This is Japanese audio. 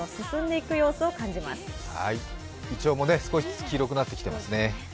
いちょうも少しずつ黄色くなってきていますね。